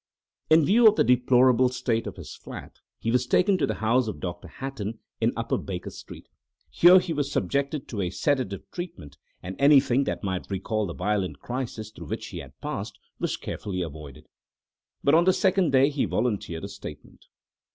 In view of the deplorable state of his flat, he was taken to the house of Dr. Hatton in Upper Baker Street. Here he was subjected to a sedative treatment, and anything that might recall the violent crisis through which he had passed was carefully avoided. But on the second day he volunteered a statement.